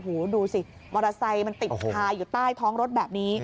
ดูสิมอเตอร์ไซค์มันติดคาอยู่ใต้ท้องรถแบบนี้